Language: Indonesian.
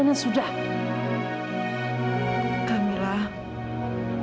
kamu juga gak tahu